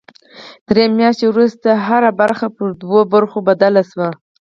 درې میاشتې وروسته هره ونډه پر دوو ونډو بدله شوه.